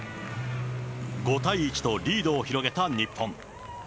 ５対１とリードを広げた日本。